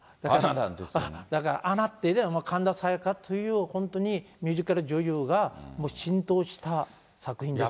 だからアナってね、神田沙也加っていう、本当にミュージカル女優がもう浸透した作品ですよね。